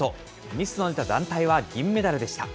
ミスの出た団体は銀メダルでした。